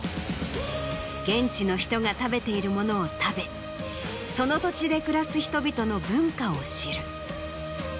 現地の人が食べているものを食べその土地で暮らす人々の文化を知る。